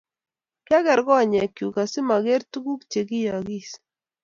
Kiaker konyekchu asimaker tuguk chekiyookis